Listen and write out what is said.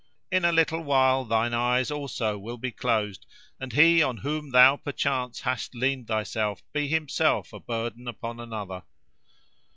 In a little while thine eyes also will be closed, and he on whom thou perchance hast leaned thyself be himself a burden upon another.